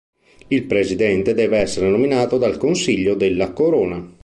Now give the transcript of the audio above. Il presidente deve essere nominato dal Consiglio della Corona.